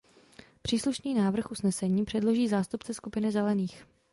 Příslušný návrh usnesení předloží zástupce skupiny Zelených.